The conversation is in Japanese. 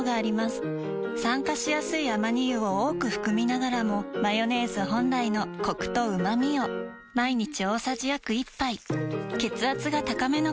酸化しやすいアマニ油を多く含みながらもマヨネーズ本来のコクとうまみを毎日大さじ約１杯血圧が高めの方に機能性表示食品